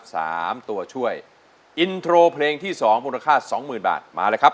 สามตัวช่วยอินโทรเพลงที่สองมูลค่าสองหมื่นบาทมาเลยครับ